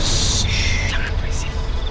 shhh jangan berisi